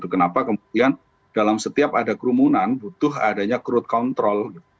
kenapa kemudian dalam setiap ada kerumunan butuh adanya crowd control